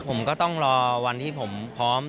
ผมก็ต้องรอวันที่ผมพร้อม